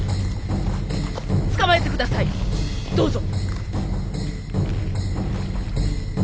捕まえて下さいどうぞ。